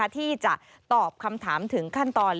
ที่จะตอบคำถามถึงขั้นตอน